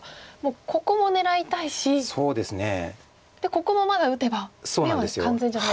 ここもまだ打てば眼は完全じゃないですよね。